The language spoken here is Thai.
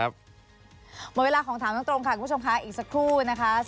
หมดเวลาของถามตรงค่ะคุณผู้ชมค่ะอีกสักครู่นะคะ